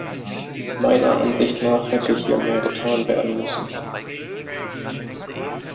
Meiner Ansicht nach hätte hier mehr getan werden müssen.